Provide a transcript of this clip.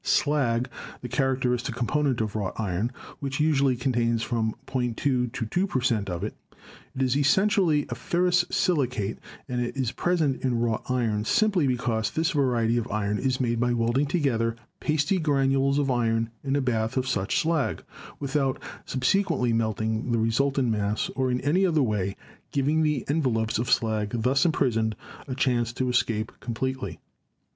Slag, the characteristic component of wrought iron, which usually contains from 0.20 to 2 per cent, of it. It is essentially a ferrous silicate and is present in wrought iron simply because this variety of iron is made by welding together pasty granules of iron in a bath of such slag, without subsequently melting the resultant mass or in any other way giving the envelopes of slag thus imprisoned a chance to escape completely.